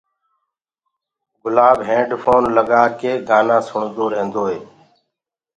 گُلاب هيڊ ڦون لگآڪي گآنآ سُڻدو ريهندوئي